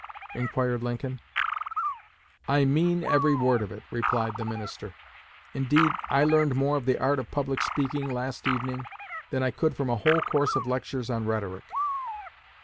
inquired Lincoln. "I mean every word of it," replied the minister; "indeed, I learned more of the art of public speaking last evening than I could from a whole course of lectures on rhetoric."